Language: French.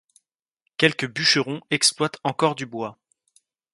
Quelques bûcherons exploitent encore du bois.